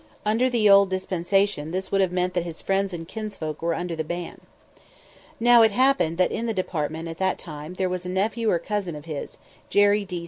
Under the old dispensation this would have meant that his friends and kinsfolk were under the ban. Now it happened that in the Department at that time there was a nephew or cousin of his, Jerry D.